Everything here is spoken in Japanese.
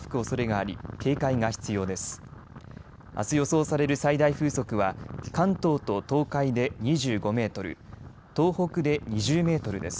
あす予想される最大風速は関東と東海で２５メートル、東北で２０メートルです。